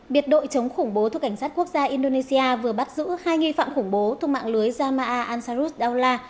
biệt đội chống khủng bố thuốc cảnh sát quốc gia indonesia vừa bắt giữ hai nghi phạm khủng bố thuốc mạng lưới jamaa ansarus daula